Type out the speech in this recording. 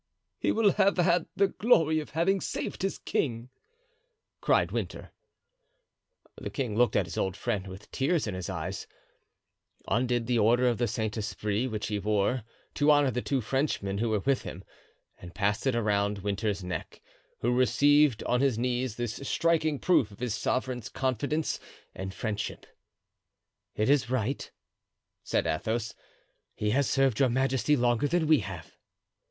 "He will have had the glory of having saved his king," cried Winter. The king looked at his old friend with tears in his eyes; undid the Order of the Saint Esprit which he wore, to honor the two Frenchmen who were with him, and passed it around Winter's neck, who received on his knees this striking proof of his sovereign's confidence and friendship. "It is right," said Athos; "he has served your majesty longer than we have."